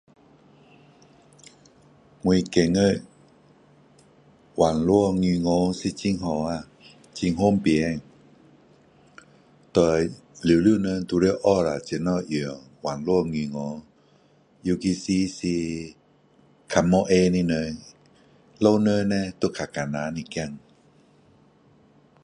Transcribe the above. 我觉得网络银行是很好啊，很方便，对全部人都要学一下怎样用网络银行，尤其是，是较没空的人，老人呢就困难一点。